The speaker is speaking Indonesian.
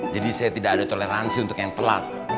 jadi saya tidak ada toleransi untuk yang telat